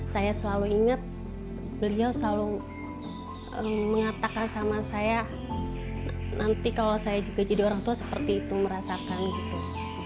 saya selalu ingat beliau selalu mengatakan sama saya nanti kalau saya juga jadi orang tua seperti itu merasakan gitu